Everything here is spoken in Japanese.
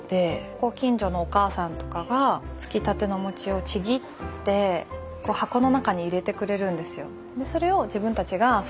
ご近所のお母さんとかがつきたてのお餅をちぎって箱の中に入れてくれるんですよ。